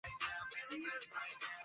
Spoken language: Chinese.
金平溪蟹为溪蟹科溪蟹属的动物。